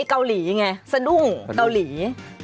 เกาหลีไงสะดุ้งเกาหลี